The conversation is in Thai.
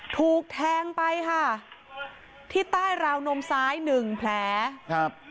ถูกแทงไปค่ะที่ใต้ราวนมซ้ายหนึ่งแผลครับ